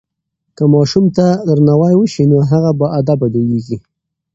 که ماشوم ته درناوی وسي نو هغه باادبه لویېږي.